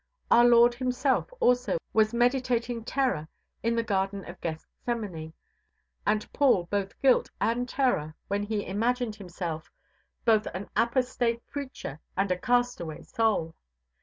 Our Lord Himself also was meditating terror in the garden of Gethsemane, and Paul both guilt and terror when he imagined himself both an apostate preacher and a castaway soul.